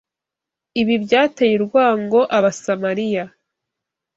Ibi byateye urwango Abasamariya